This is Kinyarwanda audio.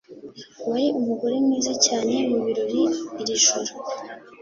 Wari umugore mwiza cyane mubirori iri joro